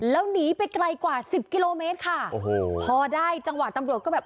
แล้วหนีไปไกลกว่าสิบกิโลเมตรค่ะโอ้โหพอได้จังหวะตำรวจก็แบบ